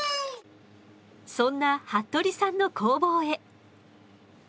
そんな服部さんの工房へ。